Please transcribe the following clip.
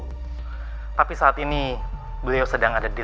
tapi saat ini beliau sedang ada di